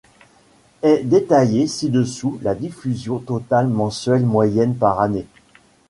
Est détaillée ci-dessous la diffusion totale mensuelle moyenne par année.